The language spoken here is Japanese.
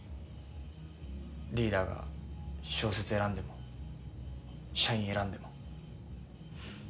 リーダーが小説選んでも社員選んでも。